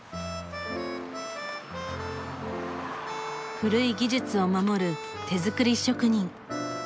古い技術を守る手作り職人。